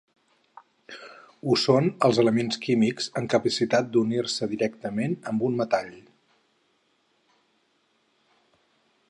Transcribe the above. Ho són els elements químics amb capacitat d'unir-se directament amb un metall.